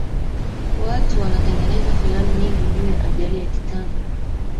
watu wanatengeneza filamu nyingi juu ya ajali ya titanic